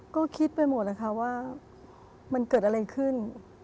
ก็คิดไปหมดนะคะว่ามันเกิดอะไรขึ้น